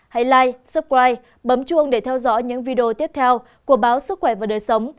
hãy like subscribe bấm chuông để theo dõi những video tiếp theo của báo sức khỏe và đời sống